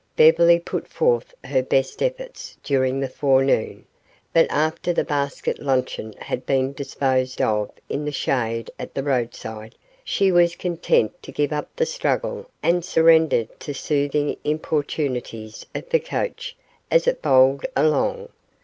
Beverly put forth her best efforts during the forenoon, but after the basket luncheon had been disposed of in the shade at the roadside, she was content to give up the struggle and surrender to the soothing importunities of the coach as it bowled along.